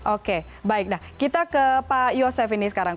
oke baik nah kita ke pak yosef ini sekarang